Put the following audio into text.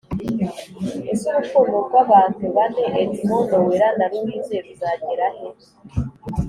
Ese urukundo rw’abantu bane Edmond, Noella na Louise ruzagerahe?